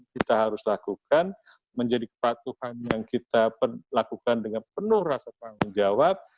kita harus lakukan menjadi kepatuhan yang kita lakukan dengan penuh rasa tanggung jawab